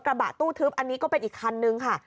กระบะตู้ทึบอันนี้ก็เป็นอีกคันนึงค่ะ